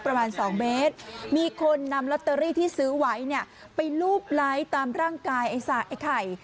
ประมาณ๒เมตรมีคนนำลอตเตอรี่ที่ซื้อไว้เนี่ยไปรูปไลค์ตามร่างกายไอ้สระไอ้ไข่